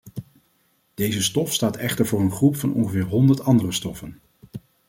Deze stof staat echter voor een groep van ongeveer honderd andere stoffen.